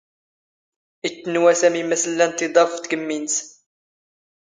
ⵉⵜⵜⵏⵡⵡⴰ ⵙⴰⵎⵉ ⵎⴰⵙ ⵍⵍⴰⵏⵜ ⵜⵉⴹⴰⴼ ⴼ ⵜⴳⵎⵎⵉ ⵏⵏⵙ.